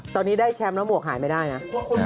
ตอนนี้ได้แชมป์แล้วหมวกหายไม่ได้นะ